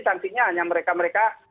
sanksinya hanya mereka mereka